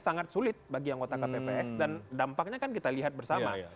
yang anggota kpps dan dampaknya kan kita lihat bersama